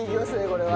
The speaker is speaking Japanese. これは。